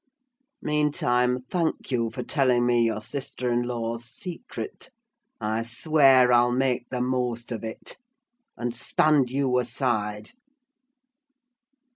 Meantime, thank you for telling me your sister in law's secret: I swear I'll make the most of it. And stand you aside!"